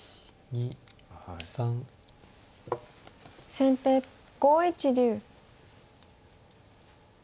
先手５一竜。